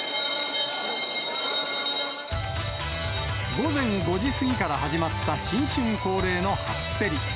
午前５時過ぎから始まった新春恒例の初競り。